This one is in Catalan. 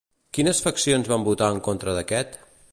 Quines faccions van votar en contra d'aquest?